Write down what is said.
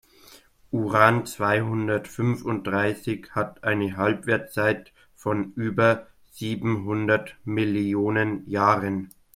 Uran-zweihundertfünfunddreißig hat eine Halbwertszeit von über siebenhundert Millionen Jahren.